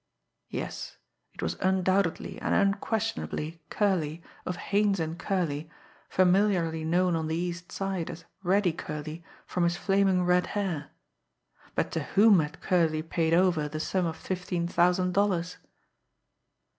Yes, it was undoubtedly and unquestionably Curley, of Haines & Curley, familiarly known on the East Side as Reddy Curley from his flaming red hair but to whom had Curley paid over the sum of fifteen thousand dollars?